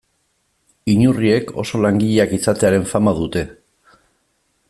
Inurriek oso langileak izatearen fama dute.